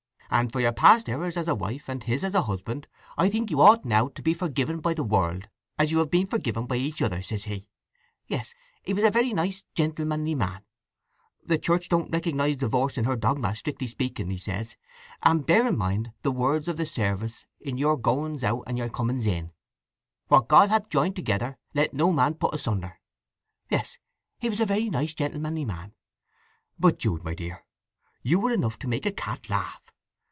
And for your past errors as a wife, and his as a husband, I think you ought now to be forgiven by the world, as you have forgiven each other,' says he. Yes; he was a very nice, gentlemanly man. 'The Church don't recognize divorce in her dogma, strictly speaking,' he says: 'and bear in mind the words of the service in your goings out and your comings in: What God hath joined together let no man put asunder.' Yes; he was a very nice, gentlemanly man… But, Jude, my dear, you were enough to make a cat laugh!